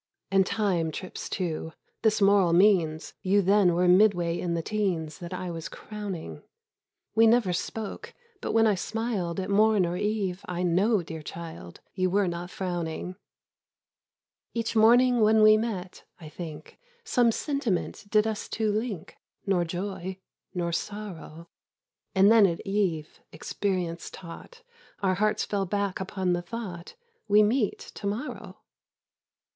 And Time trips too.—This moral means, You then were midway in the teens That I was crowning: We never spoke, but when I smil'd At morn or eve, I know, dear child, You were not frowning. Each morning when we met, I think, Some sentiment did us two link— Nor joy, nor sorrow: And then at eve, experience taught, Our hearts fell back upon the thought,— We meet to morrow!